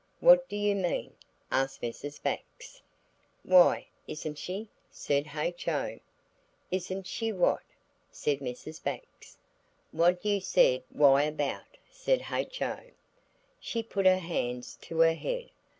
What do you mean?" asked Mrs. Bax. "Why, isn't she?" said H.O. "Isn't she what?" said Mrs. Bax. "What you said why about," said H.O. She put her hands to her head.